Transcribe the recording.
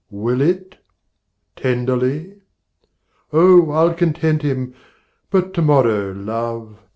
Will it? tenderly? Oh, I'll content him, but to morrow, Love!